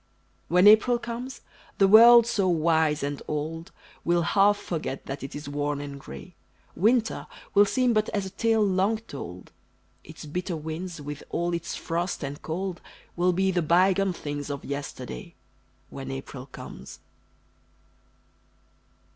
When April comes, the world so wise and old, Will half forget that it is worn and grey; Winter will seem but as a tale long told Its bitter winds with all its frost and cold Will be the by gone things of yesterday, When April comes!